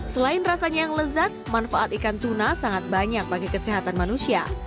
selain rasanya yang lezat manfaat ikan tuna sangat banyak bagi kesehatan manusia